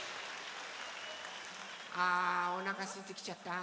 あおなかすいてきちゃった。